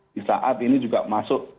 di saat ini juga masuk